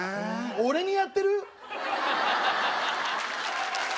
俺にやってる？